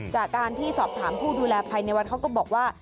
จากการที่สอบถามผู้ดูแลภายในวัดเขาก็บอกว่า